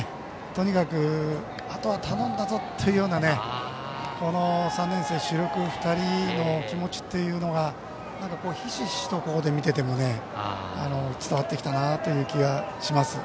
とにかくあとは頼んだぞというような３年生、主力２人の気持ちというのがひしひしと、ここで見ていても伝わってきたなという気がします。